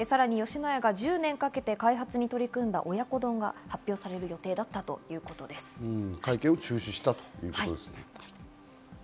さらに吉野家が１０年かけて開発に取り組んだ親子丼が発表される予定だったということです。